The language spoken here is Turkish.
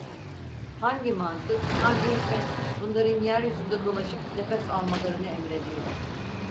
Hangi mantık, hangi hikmet bunların yeryüzünde dolaşıp nefes almalarını emrediyor?